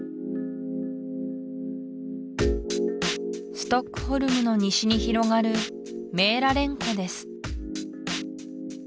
ストックホルムの西に広がるメーラレン湖です